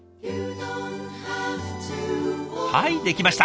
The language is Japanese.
はい出来ました。